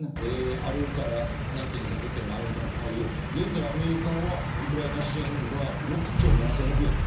春から夏にかけてのアメリカの対応、現在アメリカはウクライナ支援が６兆７０００億円